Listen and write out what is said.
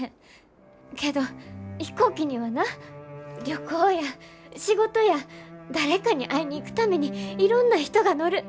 けど飛行機にはな旅行や仕事や誰かに会いに行くためにいろんな人が乗る。